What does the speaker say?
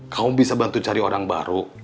kamu bisa bantu cari orang baru